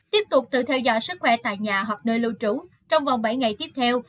tiếp tục tự theo dõi sức khỏe tại nhà hoặc nơi lưu trú trong vòng bảy ngày tiếp theo